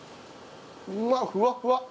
うわっふわふわ！